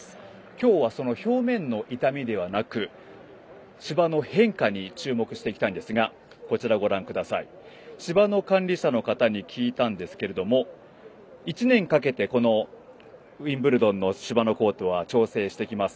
今日は、表面の傷みではなく芝の変化に注目していきたいんですが芝の管理者の方に聞いたんですけれども１年かけてこのウィンブルドンの芝のコートは調整してきます。